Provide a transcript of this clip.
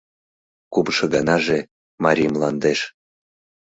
Кумшо ганаже — Марий мландеш.